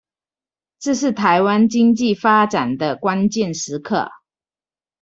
這是臺灣經濟發展的關鍵時刻